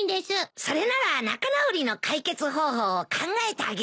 それなら仲直りの解決方法を考えてあげようか。